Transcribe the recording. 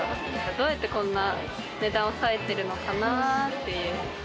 どうやってこんな値段を抑えてるのかなっていう。